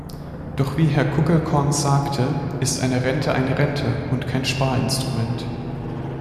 Doch wie Herr Kuckelkorn sagte, ist eine Rente eine Rente und kein Sparinstrument.